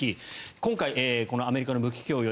今回、アメリカの武器供与